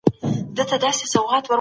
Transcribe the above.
د ارغنداب نوم د ابادۍ سمبول دی.